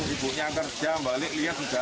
ibu yang kerja balik lihat juga